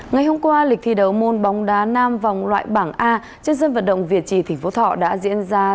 ngày hôm qua lịch thi đấu môn bóng đá nam vòng loại bảng a trên dân vật động việt trì thỉnh phố thọ đã diễn ra